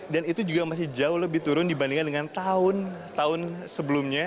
dan itu juga masih jauh lebih turun dibandingkan dengan tahun tahun sebelumnya